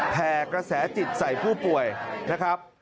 แผ่กระแสจิตใส่ผู้ป่วยนะครับ